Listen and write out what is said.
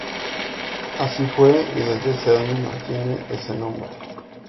Así fue, y desde ese año mantiene ese nombre.